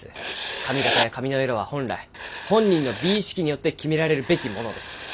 髪形や髪の色は本来本人の美意識によって決められるべきものです。